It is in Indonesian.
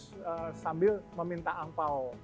terus sambil meminta angpao